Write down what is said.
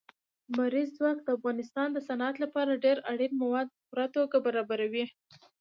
لمریز ځواک د افغانستان د صنعت لپاره ډېر اړین مواد په پوره توګه برابروي.